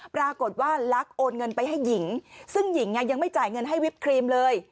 ปรากฏว่าลักโอนเงินไปให้หญิงซึ่งหญิงยังไม่จ่ายเงินให้วิปครีมเลย